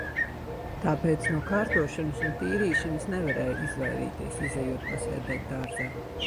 Tāpēc no kārtošanas un tīrīšanas nevarēja izvairīties, izejot pasēdēt dārzā.